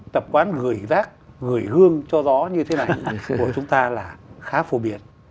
tập quán gửi rác gửi gươm cho gió như thế này của chúng ta là khá phổ biến